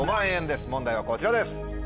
問題はこちらです。